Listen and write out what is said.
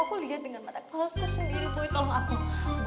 aku liat dengan mata kepala aku sendiri boy